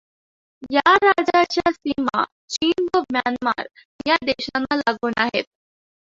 या राज्याच्या सीमा चीन व म्यानमार या देशांना लागून आहेत.